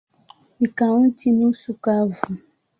Ni kaunti nusu kavu.